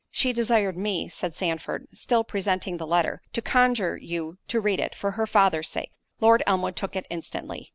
"She desired me," said Sandford, (still presenting the letter) "to conjure you to read it, for her father's sake." Lord Elmwood took it instantly.